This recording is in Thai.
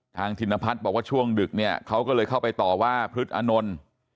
ธินพัฒน์บอกว่าช่วงดึกเนี่ยเขาก็เลยเข้าไปต่อว่าพฤษอานนท์